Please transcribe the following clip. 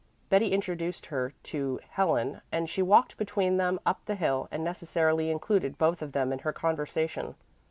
Betty introduced her to Helen and she walked between them up the hill and necessarily included both of them in her conversation.